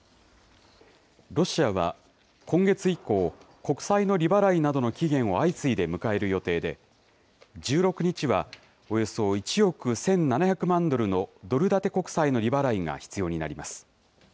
ロシアは今月以降、国債の利払いなどの期限を相次いで迎える予定で、１６日はおよそ１億１７００万ドルのドル建て国債の利払いが必要になります。